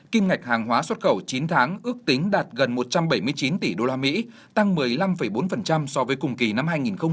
kim ngạch hàng hóa xuất khẩu chín tháng ước tính đạt gần một trăm bảy mươi chín tỷ usd tăng một mươi năm bốn so với cùng kỳ năm hai nghìn một mươi chín